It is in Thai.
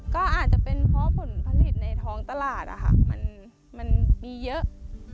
ก็อาจจะเป็นเพราะผลผลิตในท้องตลาดมันมีเยอะ